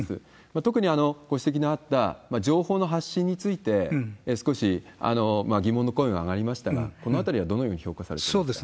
特にご指摘のあった情報の発信について少し疑問の声が上がりましたが、このあたりはどのように評価されてますか？